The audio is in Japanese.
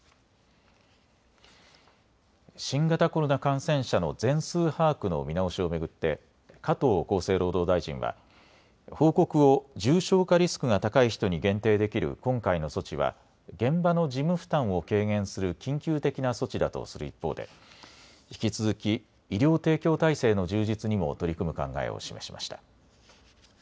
新型コロナ感染者の全数把握の見直しを巡って加藤厚生労働大臣は報告を重症化リスクが高い人に限定できる今回の措置は現場の事務負担を軽減する緊急的な措置だとする一方で引き続き医療提供体制の充実にも取り組む考えを示しました。